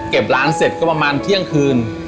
ร้านเสร็จก็ประมาณเที่ยงคืน